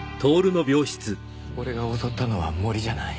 俺が襲ったのは森じゃない。